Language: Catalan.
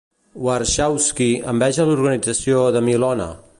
Warshawski enveja l'organització de Millhone.